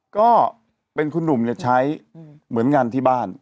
ก็เป็นคุณหนุ่มใช้เหมือนงานที่บ้าน